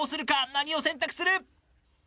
何を選択する？